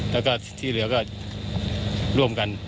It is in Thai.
แล้วก็ที่เหลือก็ร่วมกัน